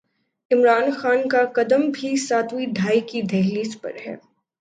عمران خان کا قدم بھی ساتویں دھائی کی دہلیز پر ہے۔